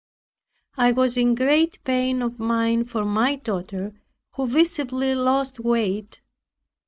I was in great pain of mind for my daughter, who visibly lost weight.